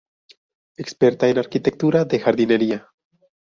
Experta en arquitectura de jardinería.